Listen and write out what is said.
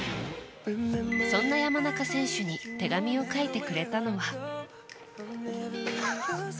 そんな山中選手に手紙を書いてくれたのは。